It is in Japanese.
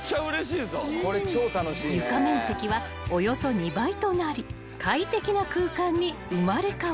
［床面積はおよそ２倍となり快適な空間に生まれ変わった］